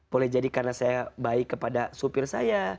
boleh jadi karena saya baik kepada supir saya